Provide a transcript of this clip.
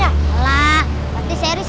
ini apaan sih